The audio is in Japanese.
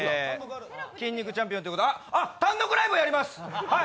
筋肉チャンピオンってことであっ、単独ライブやります！